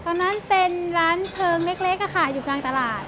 ตอนนั้นเป็นร้านเพลิงเล็กอยู่กลางตลาด